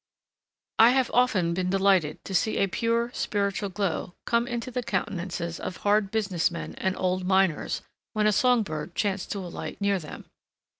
I have often been delighted to see a pure, spiritual glow come into the countenances of hard business men and old miners, when a song bird chanced to alight near them.